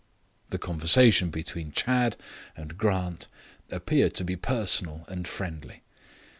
The conversation between Chadd and Grant appeared to be personal and friendly.